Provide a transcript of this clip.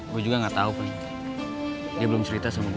gue juga gak tahu kan dia belum cerita sama gue